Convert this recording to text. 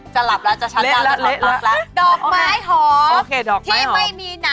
ใช่